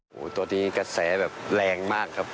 โอ้โหตอนนี้กระแสแบบแรงมากครับ